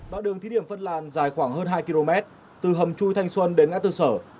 đoạn đường thí điểm phân làn dài khoảng hơn hai km từ hầm chui thanh xuân đến ngã tư sở